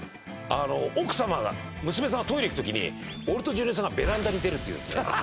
あの奥様が娘さんがトイレ行く時に俺とジュニ男さんがベランダに出るっていうですね